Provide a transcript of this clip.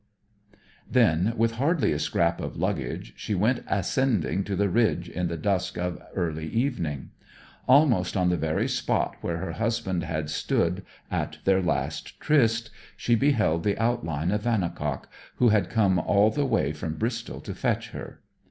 Then, with hardly a scrap of luggage, she went, ascending to the ridge in the dusk of early evening. Almost on the very spot where her husband had stood at their last tryst she beheld the outline of Vannicock, who had come all the way from Bristol to fetch her.